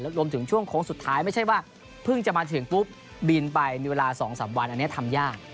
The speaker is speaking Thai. รวมถึงช่วงโค้งสุดท้ายไม่ใช่ว่าเพิ่งจะมาถึงปุ๊บบินไปมีเวลา๒๓วันอันนี้ทำยาก